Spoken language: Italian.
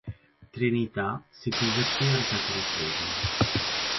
Trinità si convertì al Cattolicesimo.